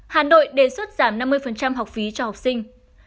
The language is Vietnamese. hà nội đề xuất giảm năm mươi học phí cho học sinh